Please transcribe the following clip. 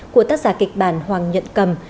của tác giả kịch bản hoàng nhận cầm